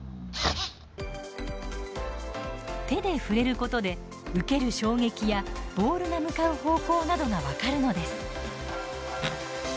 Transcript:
手で触れることで、受ける衝撃やボールが向かう方向などが分かるのです。